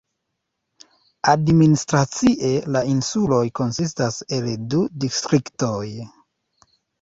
Administracie la insuloj konsistas el du distriktoj.